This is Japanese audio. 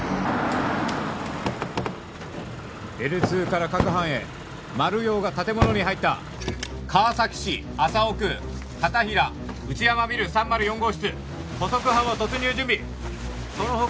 Ｌ２から各班へマルヨウが建物に入った川崎市麻生区片平内山ビル３０４号室捕捉班は突入準備その他